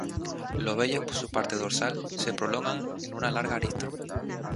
Los vellos por su parte dorsal, se prolongan en una larga arista.